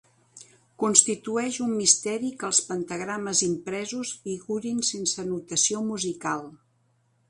Constitueix un misteri que els pentagrames impresos figurin sense notació musical.